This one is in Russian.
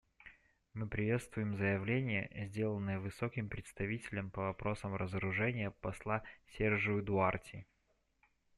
Мы приветствуем заявление, сделанное Высоким представителем по вопросам разоружения посла Сержиу Дуарти.